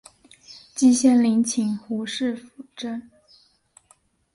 季羡林请胡适斧正。